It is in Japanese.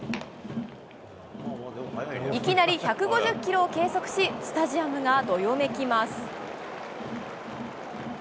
いきなり１５０キロを計測し、スタジアムがどよめきます。